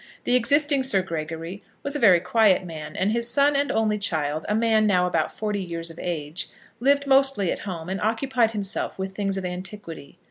The existing Sir Gregory was a very quiet man, and his son and only child, a man now about forty years of age, lived mostly at home, and occupied himself with things of antiquity.